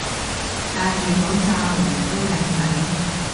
戴住口罩人人都靚仔